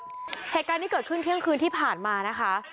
เหตุการณ์ที่เกิดขึ้นเที่ยงคืนที่ผ่านมานะคะ